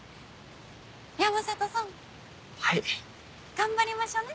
頑張りましょね。